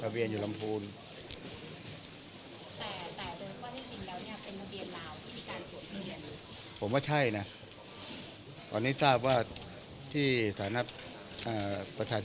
ระเบียนอยู่รำภูนย์